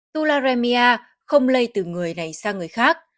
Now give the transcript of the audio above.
tularemia không lây từ người này sang người khác